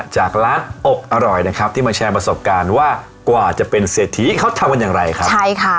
จากร้านอบอร่อยนะครับที่มาแชร์ประสบการณ์ว่ากว่าจะเป็นเศรษฐีเขาทำกันอย่างไรครับใช่ค่ะ